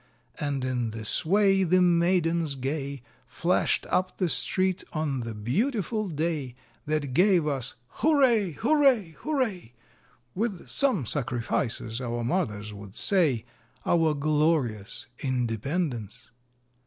And in this way The maidens gay Flashed up the street on the beautiful day, That gave us Hurray! Hurray! Hurray! (With some sacrifices, our mothers would say,) Our glorious Independence!